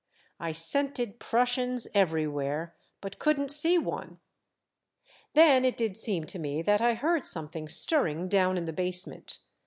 I scented Prussians every where, but could n't see one. Then it did seem to me that I heard something stirring down in the basement.